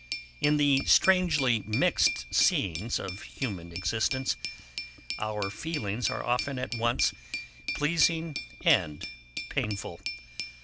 In the strangely mixed scenes of human existence, our feelings are often at once pleasing and painful.